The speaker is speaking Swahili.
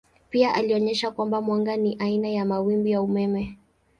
Pia alionyesha kwamba mwanga ni aina ya mawimbi ya umeme.